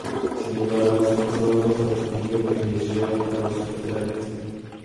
Sin embargo, son "sordos" al sonido que les llega por los laterales.